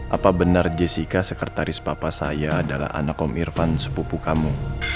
apa benar jessica sekretaris papa saya adalah anak om irfan sepupu kamu